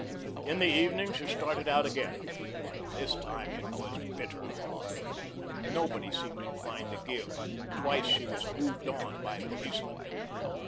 In the evening, she started out again. This time, it was bitter hard. Nobody seemed inclined to give. Twice she was "moved on" by policemen.